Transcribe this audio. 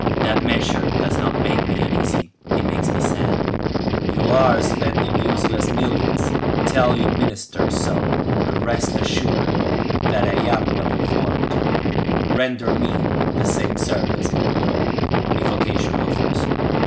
That measure does not make me uneasy, it makes me sad. You are spending useless millions; tell your ministers so; and rest assured that I am well informed; render me the same service, my brother, if occasion offers."